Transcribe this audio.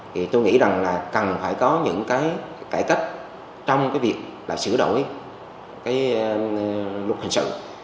thì tôi nghĩ rằng là cần phải có những cái cải cách trong cái việc là sửa đổi cái luật hình sự